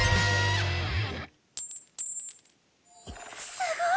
すごい！